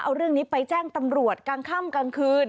เอาเรื่องนี้ไปแจ้งตำรวจกลางค่ำกลางคืน